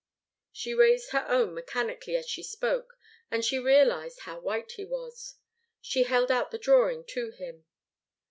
She raised her own mechanically as she spoke, and she realized how white he was. She held out the drawing to him.